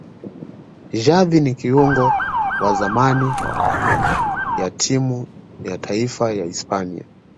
xavi ni kiungo wa zamani ya timu ya taifa ya hispania